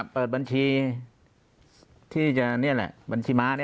ปากกับภาคภูมิ